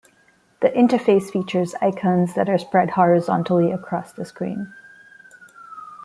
The interface features icons that are spread horizontally across the screen.